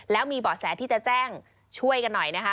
แล้วมีเบาะแสที่จะแจ้งช่วยกันหน่อยนะคะ